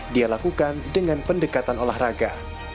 dia lakukan dengan pendekatan olahraga